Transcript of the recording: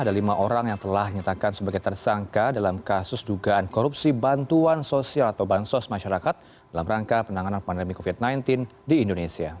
ada lima orang yang telah dinyatakan sebagai tersangka dalam kasus dugaan korupsi bantuan sosial atau bansos masyarakat dalam rangka penanganan pandemi covid sembilan belas di indonesia